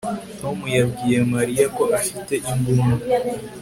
Tom yabwiye Mariya ko afite imbunda